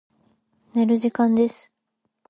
寝る時間です。